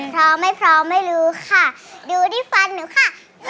พร้อมไม่พร้อมไม่รู้ค่ะดูที่ฟันหนูค่ะ